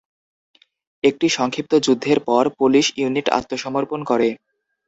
একটি সংক্ষিপ্ত যুদ্ধের পর পোলিশ ইউনিট আত্মসমর্পণ করে।